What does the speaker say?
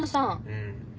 うん。